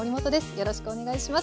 よろしくお願いします。